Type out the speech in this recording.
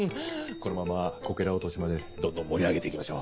このままこけら落としまでどんどん盛り上げていきましょう。